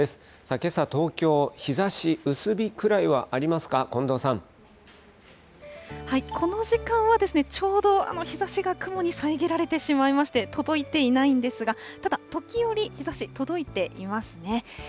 けさ、東京、日ざし、薄日くらいこの時間は、ちょうど日ざしが雲に遮られてしまいまして、届いていないんですが、ただ時折、日ざし、届いていますね。